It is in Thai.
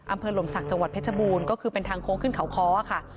หล่มศักดิ์จังหวัดเพชรบูรณ์ก็คือเป็นทางโค้งขึ้นเขาค้อค่ะ